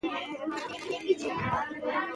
د څېړونکو له مخې، مایکروبونه د چلند پر بڼو اغېز لري.